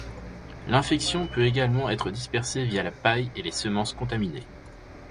L'infection peut également être dispersée via la paille et les semences contaminées.